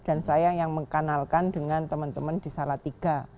dan saya yang mengkanalkan dengan teman teman di salatiga